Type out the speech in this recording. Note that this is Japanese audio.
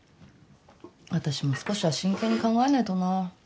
私も少しは真剣に考えないとな。